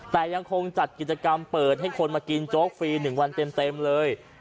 แต่ยังคงจัดกิจกรรมเปิดให้คนมากินโจ๊กฟรี๑วันเต็มเลย